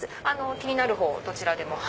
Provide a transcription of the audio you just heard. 気になるほうをどちらでも。